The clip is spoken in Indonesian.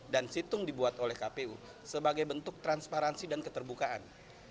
situng dibuat oleh kpu sebagai bentuk transparansi dan keterbukaan